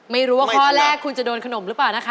ไม่รู้ว่าข้อแรกคุณจะโดนขนมหรือเปล่านะคะ